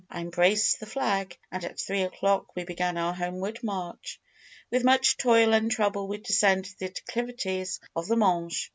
I embraced the flag, and at three o'clock we began our homeward march. With much toil and trouble we descended the declivities of the Mönch.